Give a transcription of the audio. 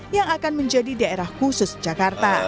yang akan menjadi daerah khusus jakarta